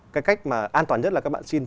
cái cách mà an toàn nhất là các bạn xin